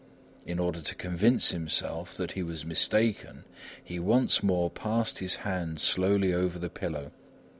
In order to convince himself that he was mistaken, he once more passed his hand slowly over the pillow.